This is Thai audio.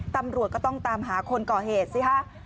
ตำรวจก็ต้องตามหาคนก่อเหตุสิฮะ